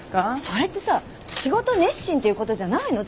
それってさ仕事熱心っていうことじゃないの？